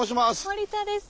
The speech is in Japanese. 森田です。